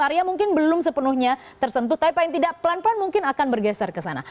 area mungkin belum sepenuhnya tersentuh tapi paling tidak pelan pelan mungkin akan bergeser ke sana